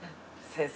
先生。